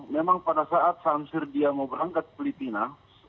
memang pada saat samsir dia mau berangkat ke litina